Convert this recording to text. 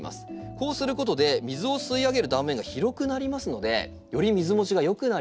こうすることで水を吸い上げる断面が広くなりますのでより水もちが良くなります。